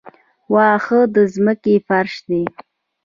واښه د ځمکې فرش دی